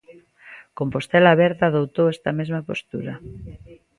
Compostela Aberta adoptou esta mesma postura.